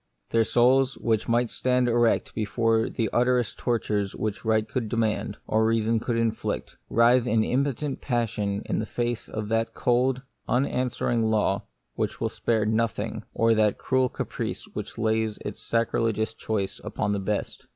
Their souls, which might stand erect before the utterest tortures which right could demand, or reason could inflict, writhe in impotent passion in face of that cold, unanswering law which will spare no thing, or that cruel caprice which lays its sacrilegious choice upon the best.